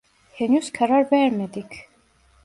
Henüz karar vermedik.